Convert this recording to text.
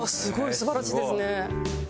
素晴らしいですね。